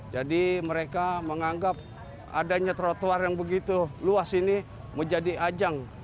jadi mereka menganggap adanya trotoar yang begitu luas ini menjadi ajang